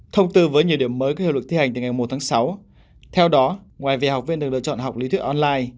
thông tư với nhiều điểm mới có hiệu lực thi hành từ ngày một tháng sáu theo đó ngoài việc học viên được lựa chọn học lý thuyết online